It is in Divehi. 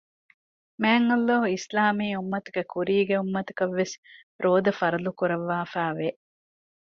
މާތްﷲ އިސްލާމީ އުއްމަތުގެ ކުރީގެ އުއްމަތަކަށްވެސް ރޯދަ ފަރްޟުކުރައްވާފައި ވެ